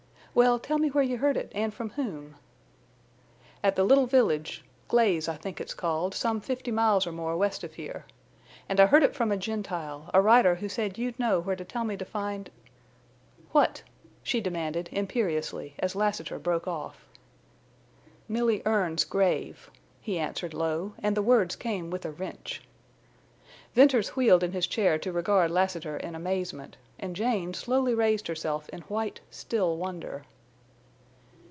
Well, tell me where you heard it and from whom?" "At the little village—Glaze, I think it's called—some fifty miles or more west of here. An' I heard it from a Gentile, a rider who said you'd know where to tell me to find—" "What?" she demanded, imperiously, as Lassiter broke off. "Milly Erne's grave," he answered low, and the words came with a wrench. Venters wheeled in his chair to regard Lassiter in amazement, and Jane slowly raised herself in white, still wonder.